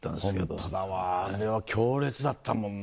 ホントだわあれは強烈だったもんな。